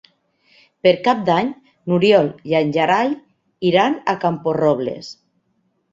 Per Cap d'Any n'Oriol i en Gerai iran a Camporrobles.